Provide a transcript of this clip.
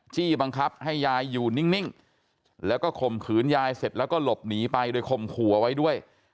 จี้บังคับให้ยายอยู่นิ่งแล้วก็ข่มขืนยายเสร็จแล้วก็หลบหนีไปโดยข่มขู่เอาไว้ด้วย